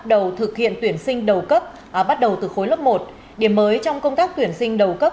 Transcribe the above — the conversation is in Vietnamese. đầu thực hiện tuyển sinh đầu cấp bắt đầu từ khối lớp một điểm mới trong công tác tuyển sinh đầu cấp